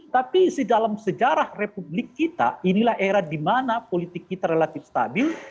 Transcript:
tapi dalam sejarah republik kita inilah era di mana politik kita relatif stabil